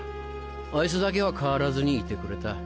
あいつだけは変わらずにいてくれた。